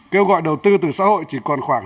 kêu gọi đầu tư từ xã hội chỉ còn khoảng